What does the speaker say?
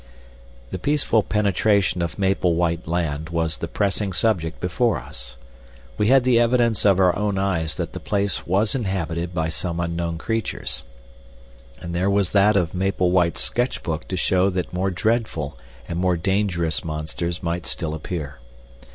The peaceful penetration of Maple White Land was the pressing subject before us. We had the evidence of our own eyes that the place was inhabited by some unknown creatures, and there was that of Maple White's sketch book to show that more dreadful and more dangerous monsters might still appear.